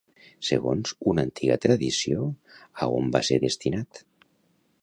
Segons una antiga tradició, a on va ser destinat?